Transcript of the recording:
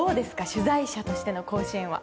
取材者としての甲子園は？